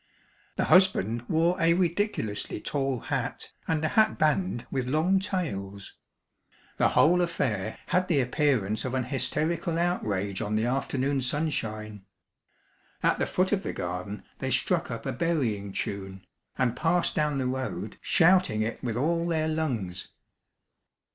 The husband wore a ridiculously tall hat, and a hat band with long tails. The whole affair had the appearance of an hysterical outrage on the afternoon sunshine. At the foot of the garden they struck up a "burying tune," and passed down the road, shouting it with all their lungs.